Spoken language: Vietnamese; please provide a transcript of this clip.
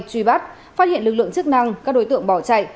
truy bắt phát hiện lực lượng chức năng các đối tượng bỏ chạy